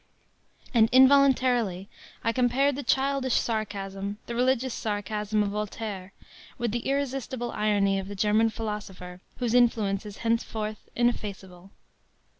” And involuntarily I compared the childish sarcasm, the religious sarcasm of Voltaire with the irresistible irony of the German philosopher whose influence is henceforth ineffaceable.